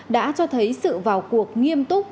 đã cho thấy sự vào cuộc nghiêm túc